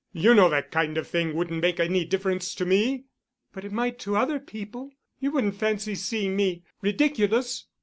You know that kind of thing wouldn't make any difference to me." "But it might to other people. You wouldn't fancy seeing me ridiculous."